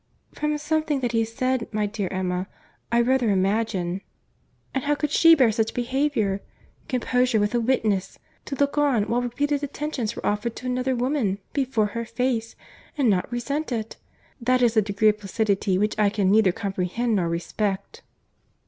"From something that he said, my dear Emma, I rather imagine—" "And how could she bear such behaviour! Composure with a witness! to look on, while repeated attentions were offering to another woman, before her face, and not resent it.—That is a degree of placidity, which I can neither comprehend nor respect."